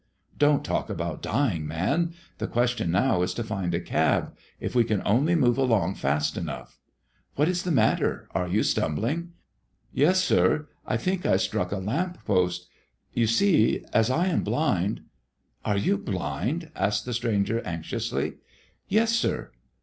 "Don't talk about dying, man. The question now is to find a cab; if we can only move along fast enough What is the matter? Are you stumbling?" "Yes, sir. I think I struck a lamp post. You see as I am blind " "Are you blind?" asked the stranger, anxiously. "Yes, sir."